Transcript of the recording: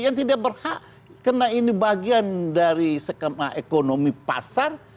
yang tidak berhak karena ini bagian dari skema ekonomi pasar